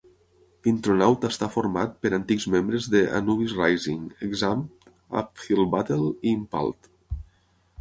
Intronaut està format per antics membres de Anubis Rising, Exhumed, Uphill Battle i Impaled.